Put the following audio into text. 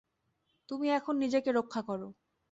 তুমি এখন নিজেকে রক্ষা করো।